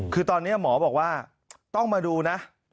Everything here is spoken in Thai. คือตอนนี้หมอบอกว่าต้องมาดูนะ